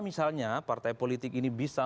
misalnya partai politik ini bisa